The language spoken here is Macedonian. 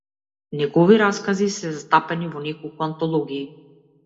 Негови раскази се застапени во неколку антологии.